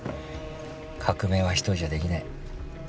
革命は一人じゃできない。